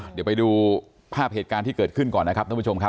เดี๋ยวไปดูภาพเหตุการณ์ที่เกิดขึ้นก่อนนะครับท่านผู้ชมครับ